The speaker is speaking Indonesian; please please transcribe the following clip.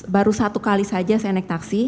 baru satu kali saja saya naik taksi